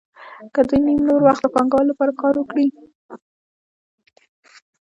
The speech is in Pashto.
که دوی نیم نور وخت د پانګوال لپاره کار وکړي